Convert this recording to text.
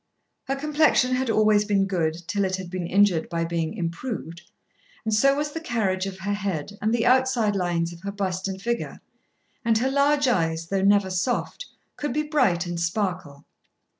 Her complexion had always been good till it had been injured by being improved, and so was the carriage of her head and the outside lines of her bust and figure, and her large eyes, though never soft, could be bright and sparkle.